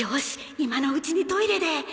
今のうちにトイレで